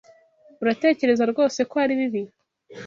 Uratekereza rwose ko ari bibi?